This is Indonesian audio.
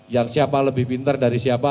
yang siapa lebih pintar dari siapa